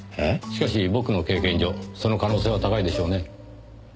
しかし僕の経験上その可能性は高いでしょうね。